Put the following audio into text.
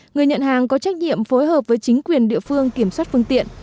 người nhận hàng có trách nhiệm phối hợp với chính quyền địa phương kiểm soát phương tiện